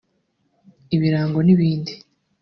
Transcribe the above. ibirago n’ibindi